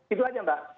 itu aja mbak